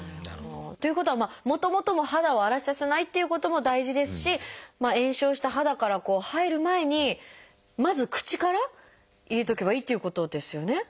ということはもともとの肌を荒れさせないっていうことも大事ですし炎症した肌から入る前にまず口から入れておけばいいっていうことですよね。